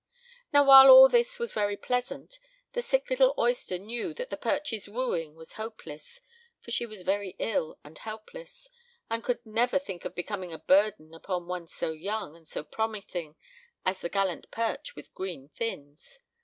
Now while all this was very pleasant, the sick little oyster knew that the perch's wooing was hopeless, for she was very ill and helpless, and could never think of becoming a burden upon one so young and so promising as the gallant perch with green fins.